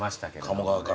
鴨川から。